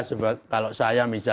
tenang begitu masyarakat